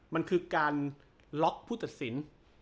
มันคือการล็อกผู้ตัดสิน